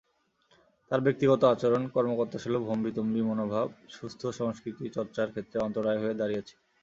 তাঁর ব্যক্তিগত আচরণ, কর্মকর্তাসুলভ হম্বিতম্বি মনোভাব সুস্থ সংস্কৃতিচর্চার ক্ষেত্রে অন্তরায় হয়ে দাঁড়িয়েছে।